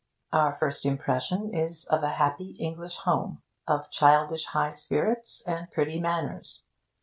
Our first impression is of a happy English home, of childish high spirits and pretty manners.